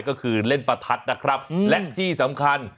ก็คือเล่นประทัดนะครับและที่สำคัญ